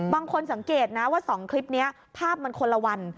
บางคนสังเกตนะว่า๒คลิปนี้ภาพมันคนละวัน